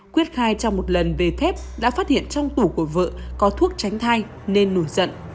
quyết khai trong một lần về thép đã phát hiện trong tủ của vợ có thuốc tránh thai nên nổi giận